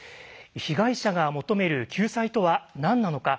被害者が求める“救済”とは何なのか。